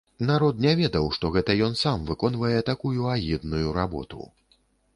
Народ не ведаў, што гэта ён сам выконвае такую агідную работу.